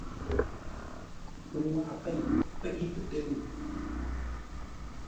Pə nŋwaʼa pei peʼé pətə́ ŋʉʉ.